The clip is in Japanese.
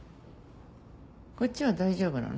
こっちは大丈夫なの？